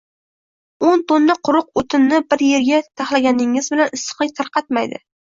O‘n tonna quruq o‘tinni bir yerga taxlaganingiz bilan issiqlik tarqatmaydi.